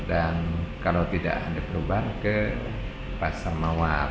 dan kalau tidak ada perubahan ke pasar mawar